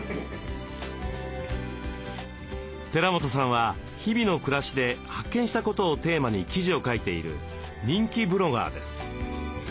寺本さんは日々の暮らしで発見したことをテーマに記事を書いている人気ブロガーです。